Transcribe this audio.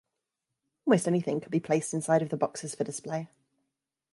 Almost anything can be placed inside of the boxes for display.